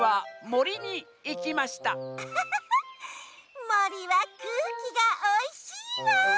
もりはくうきがおいしいわ！